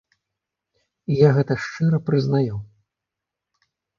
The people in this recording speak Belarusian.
І я гэта шчыра прызнаю.